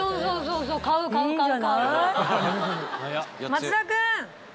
松田君！